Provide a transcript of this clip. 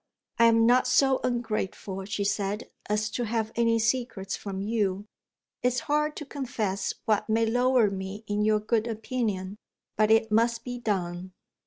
"I am not so ungrateful," she said, "as to have any secrets from You. It's hard to confess what may lower me in your good opinion, but it must be done.